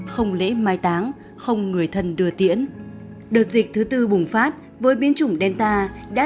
không lễ mai táng không người thân đưa tiễn đợt dịch thứ tư bùng phát với biến chủng delta đã